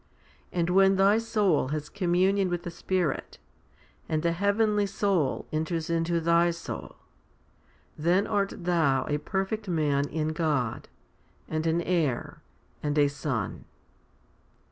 And when thy soul has communion with the Spirit, and the heavenly soul enters into thy soul, then art thou a perfect man in God, and an heir, and a son.